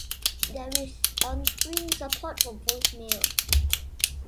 There is on-screen support for voice mail.